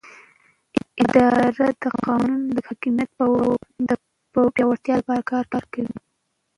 اداره د قانون د حاکمیت د پیاوړتیا لپاره کار کوي.